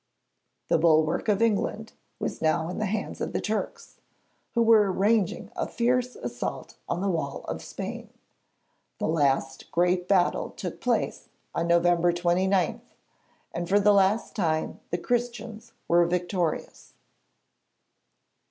The bulwark of England was now in the hands of the Turks, who were arranging a fierce assault on the wall of Spain. The last great battle took place on November 29, and for the last time the Christians were victorious.